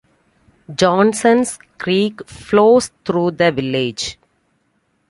Johnson's Creek flows through the village.